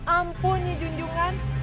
ampun nyi junjungan